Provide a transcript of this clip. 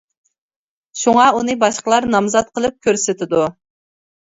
شۇڭا ئۇنى باشقىلار نامزات قىلىپ كۆرسىتىدۇ.